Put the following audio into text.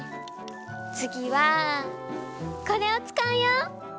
つぎはこれをつかうよ！